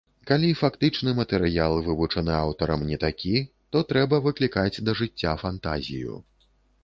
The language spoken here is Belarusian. Калі фактычны матэрыял, вывучаны аўтарам, не такі, то трэба выклікаць да жыцця фантазію.